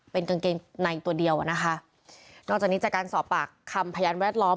เป็นกางเกงในตัวเดียวอ่ะนะคะนอกจากนี้จากการสอบปากคำพยานแวดล้อม